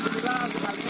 jadi tidak ada masalah